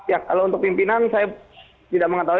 ya kalau untuk pimpinan saya tidak mengetahui